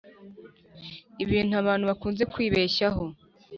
Ibintu abantu bakunze kwibeshyaho